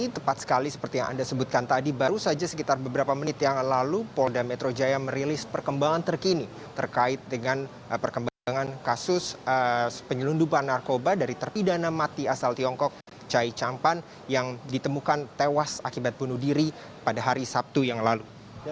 tepat sekali seperti yang anda sebutkan tadi baru saja sekitar beberapa menit yang lalu polda metro jaya merilis perkembangan terkini terkait dengan perkembangan kasus penyelundupan narkoba dari terpidana mati asal tiongkok chai changpan yang ditemukan tewas akibat bunuh diri pada hari sabtu yang lalu